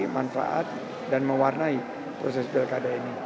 manfaat dan mewarnai proses pilkada ini